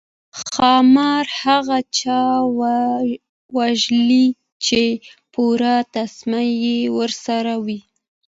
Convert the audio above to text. ښامار هغه چا وژلی چې پوره تسمه یې ورسره وي.